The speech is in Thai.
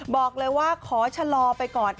บอกเลยว่าขอชะลอไปก่อน